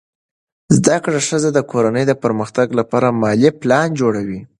زده کړه ښځه د کورنۍ د پرمختګ لپاره مالي پلان جوړوي.